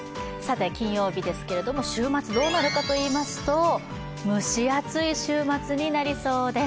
金曜日ですけど週末どうなるかというと蒸し暑い週末になりそうです。